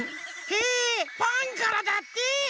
へえファンからだって！